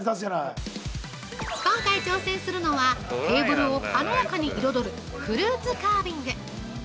◆今回、挑戦するのは、テーブルを華やかに彩るフルーツカービング。